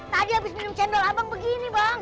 tadi abis minum jendol abang begini bang